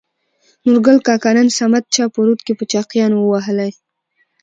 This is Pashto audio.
نورګل کاکا : نن صمد چا په رود کې په چاقيانو ووهلى.